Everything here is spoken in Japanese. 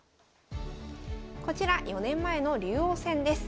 こちら４年前の竜王戦です。